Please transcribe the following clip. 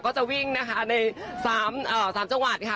ก็จะวิ่งนะคะในสามเอ่อสามจังหวัดค่ะ